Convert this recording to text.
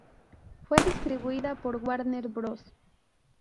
Fue distribuida por Warner Bros.